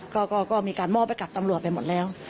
ก็มีการมอบไปกับตำรวจไปหมดแล้ว